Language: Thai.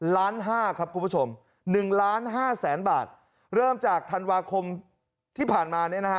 ล้านห้าครับคุณผู้ชมหนึ่งล้านห้าแสนบาทเริ่มจากธันวาคมที่ผ่านมาเนี่ยนะฮะ